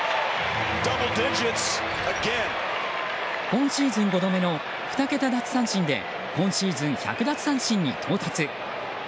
今シーズン５度目の２桁奪三振で今シーズン１００奪三振に到達。